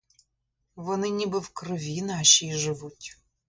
Вони ніби в крові нашій живуть.